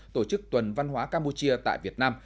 tổ chức tuần văn hóa campuchia tại việt nam